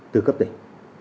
từ cấp tỉnh